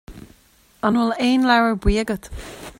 An bhfuil aon leabhar buí agat